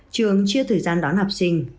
trường chia thời gian đón học sinh